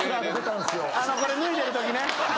これ脱いでるときね。